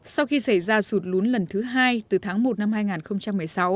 sau khi xảy ra sụt lún lần thứ hai từ tháng một năm hai nghìn một mươi sáu